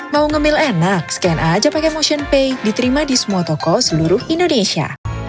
mau ngemil enak scan aja pakai motion pay diterima di semua toko seluruh indonesia